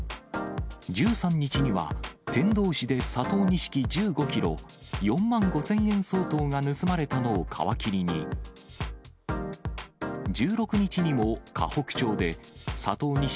１３日には、天童市で佐藤錦１５キロ、４万５０００円相当が盗まれたのを皮切りに、１６日にも河北町で佐藤錦